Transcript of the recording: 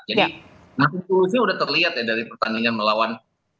jadi maka solusinya sudah terlihat ya dari pertandingan melawan